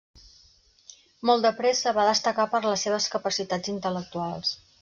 Molt de pressa va destacar per les seves capacitats intel·lectuals.